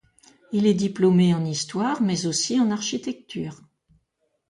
Il est diplômé en histoire mais aussi en architecture.